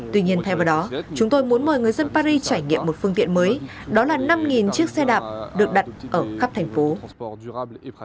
tuy nhiên thay vào đó chúng tôi muốn mời người dân paris trải nghiệm một phương tiện mới đó là năm chiếc xe đạp được đặt ở khắp thành phố